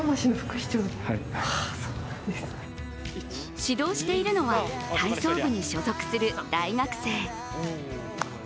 指導しているのは体操部に所属する大学生。